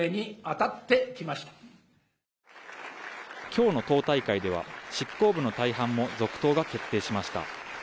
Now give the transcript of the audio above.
今日の党大会では、執行部の大半も続投が決定しました。